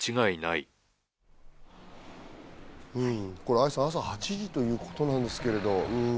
愛さん、朝８時ということなんですけど。